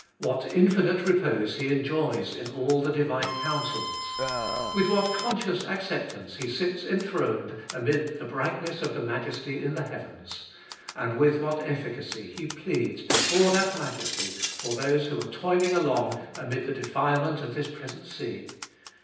"What infinite repose he enjoys in all the divine counsels!" With what conscious acceptance he sits enthroned amid the brightness of the Majesty in the heavens! And with what efficacy he pleads before that Majesty for those who are toiling along amid the defilement of this present scene!